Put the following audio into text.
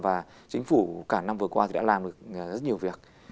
và chính phủ cả năm vừa qua thì đã làm được rất nhiều việc